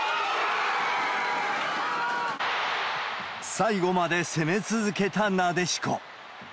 最後まで攻め続けたなでしこ。